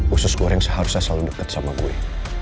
usus goreng seharusnya selalu dekat sama gue